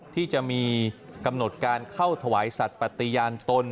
ที่จะมีกำหนดการเข้าถวายสัตว์ปฏิญาณตน